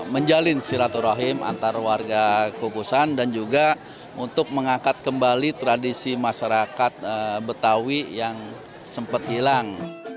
menjalin silaturahim antar warga kukusan dan juga untuk mengangkat kembali tradisi masyarakat betawi yang sempat hilang